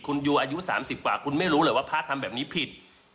คุณยูอายุ๓๐กว่าคุณไม่รู้เลยว่าพระทำแบบนี้ผิด